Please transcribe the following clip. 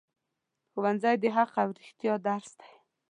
ښوونځی د حق او رښتیا درس دی